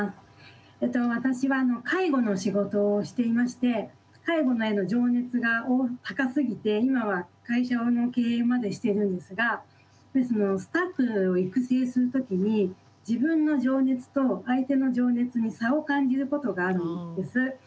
私は介護の仕事をしていまして介護への情熱が高すぎて今は会社の経営までしているんですがスタッフを育成する時に自分の情熱と相手の情熱に差を感じることがあるんです。